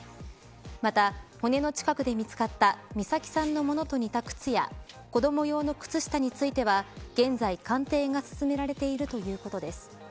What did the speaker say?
また骨の近くで見つかった美咲さんのものと似た靴や子ども用の靴下については現在鑑定が進められているということです。